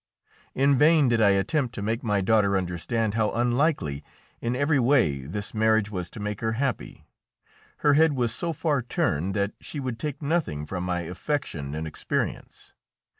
In vain did I attempt to make my daughter understand how unlikely in every way this marriage was to make her happy. Her head was so far turned that she would take nothing from my affection and experience.